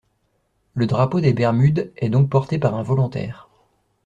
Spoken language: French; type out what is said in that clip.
Le drapeau des Bermudes est donc porté par un volontaire.